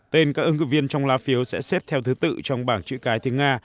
tên các ứng cử viên trong lá phiếu sẽ xếp theo thứ tự trong bảng chữ cái tiếng nga